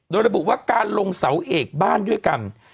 โดยระบุว่าการลงเสาเอกบ้านด้วยกัน